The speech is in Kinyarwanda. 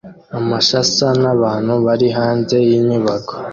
Amish asa nabantu bari hanze yinyubako